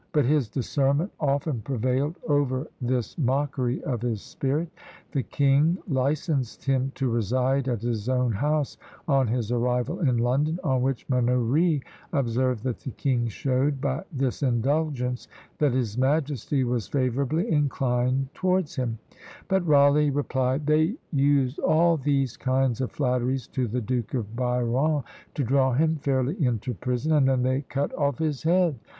But his discernment often prevailed over this mockery of his spirit. The king licensed him to reside at his own house on his arrival in London; on which Manoury observed that the king showed by this indulgence that his majesty was favourably inclined towards him; but Rawleigh replied, "They used all these kinds of flatteries to the Duke of Biron, to draw him fairly into prison, and then they cut off his head.